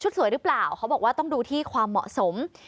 เขาบอกว่าต้องดูที่ความเหมาะสม